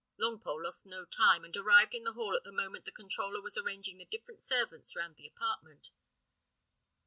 Longpole lost no time, and arrived in the hall at the moment the controller was arranging the different servants round the apartment.